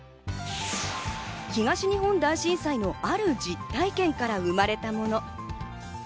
東日本大震災のある実体験から生まれたもの。